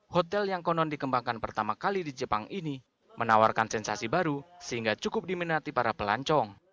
hotel yang konon dikembangkan pertama kali di jepang ini menawarkan sensasi baru sehingga cukup diminati para pelancong